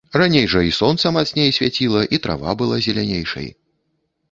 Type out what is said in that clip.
Раней жа і сонца мацней свяціла, і трава была зелянейшай.